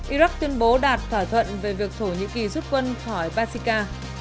iraq tuyên bố đạt thỏa thuận về việc thổ nhĩ kỳ rút quân khỏi basika